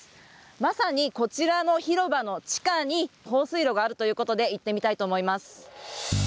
まさにこちらの広場の地下に、放水路があるということで、行ってみたいと思います。